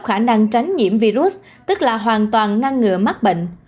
khả năng tránh nhiễm virus tức là hoàn toàn ngăn ngừa mắc bệnh